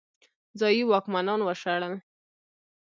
ځايي واکمنان وشړل.